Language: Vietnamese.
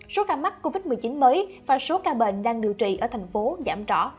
số ca mắc covid một mươi chín mới và số ca bệnh đang điều trị ở thành phố giảm rõ